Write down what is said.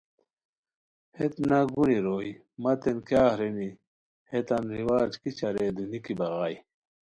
ہیت ناگونی روئے، متین کیاغ رینی، ہیتان رواج کیچہ رے دُونیکی بغائے